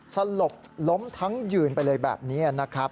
สลบล้มทั้งยืนไปเลยแบบนี้นะครับ